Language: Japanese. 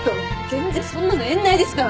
全然そんなの縁ないですから私。